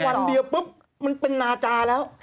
วันเดียวปุ๊บมันเป็นนาจาแล้ว